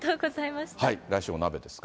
来週、お鍋ですが。